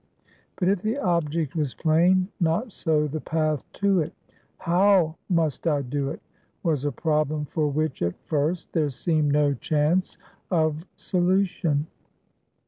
But if the object was plain, not so the path to it. How must I do it? was a problem for which at first there seemed no chance of solution.